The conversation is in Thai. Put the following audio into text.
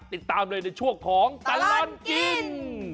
ติดตามเลยในช่วงของตลอดกิน